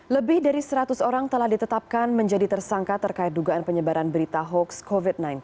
lebih dari seratus orang telah ditetapkan menjadi tersangka terkait dugaan penyebaran berita hoax covid sembilan belas